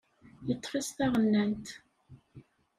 Yeṭṭef-as taɣennant.